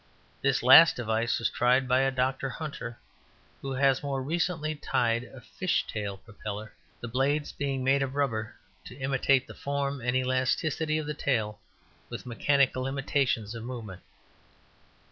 This last device was tried by a Doctor Hunter, who has more recently tried a "Fish Tail Propeller," the blades being made of rubber, to imitate the form and elasticity of the tail, with mechanical imitations of movement.